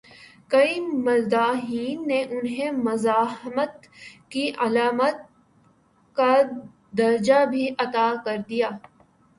کئی مداحین نے انہیں مزاحمت کی علامت کا درجہ بھی عطا کر دیا۔